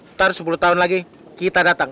ntar sepuluh tahun lagi kita datang